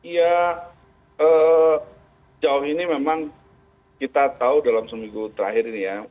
ya jauh ini memang kita tahu dalam seminggu terakhir ini ya